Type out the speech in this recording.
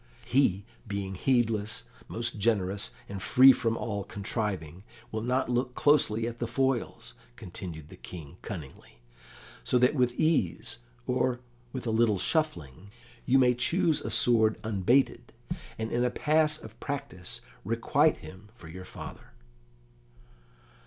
"He, being heedless, most generous and free from all contriving, will not look closely at the foils," continued the King cunningly, "so that with ease, or with a little shuffling, you may choose a sword unbated, and in a pass of practice requite him for your father."